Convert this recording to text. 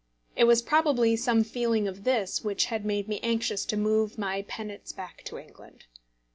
It was probably some feeling of this which had made me anxious to move my penates back to England.